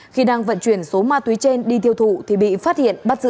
khi đang vận chuyển số ma túy trên đi tiêu thụ thì bị phát hiện bắt giữ